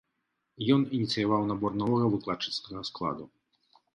Ён ініцыяваў набор новага выкладчыцкага складу.